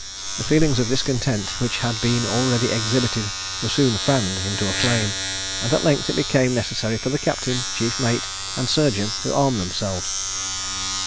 The feelings of discontent which had been already exhibited were soon fanned into a flame, and at length it became necessary for the captain, chief mate, and surgeon to arm themselves.